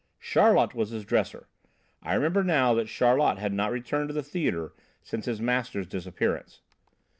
"Charlot was his dresser. I remembered now that Charlot had not returned to the theatre since his master's disappearance.